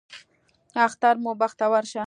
اختر مو بختور شه